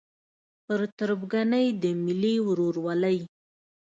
پر تربګنۍ د ملي ورورولۍ